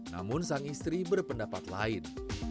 namun sang istri berpendapat lain